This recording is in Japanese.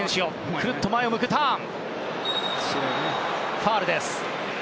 ファウルです。